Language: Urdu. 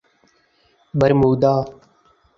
برمودا